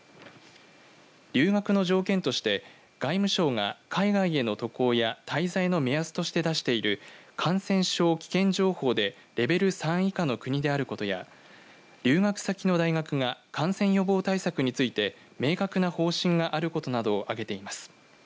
留学の条件として外務省が海外への渡航や滞在の目安として出している感染症危険情報でレベル３以下の国であることや留学先の大学が感染予防対策について明確な方針があることなどをあげています。